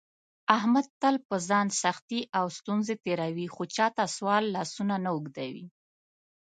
احمد تل په ځان سختې او ستونزې تېروي، خو چاته دسوال لاسونه نه اوږدوي.